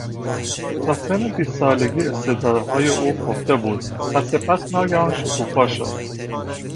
تا سن بیست سالگی استعدادهای او خفته بودد و سپس ناگهان شکوفا شدد.